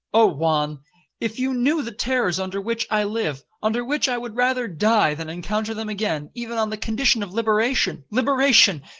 Oh Juan! if you knew the terrors under which I live—under which I would rather die than encounter them again, even on the condition of liberation! Liberation!